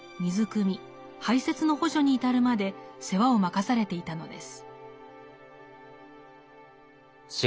排泄の補助に至るまで世話を任されていたのです。